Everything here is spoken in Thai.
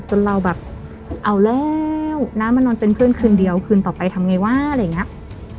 จนเราแบบเอาแล้วน้ามานอนเป็นเพื่อนคืนเดียวคืนต่อไปทำไงวะอะไรอย่างนี้